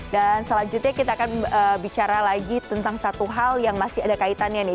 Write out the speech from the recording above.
dan selanjutnya kita akan bicara lagi tentang satu hal yang masih ada kaitannya nih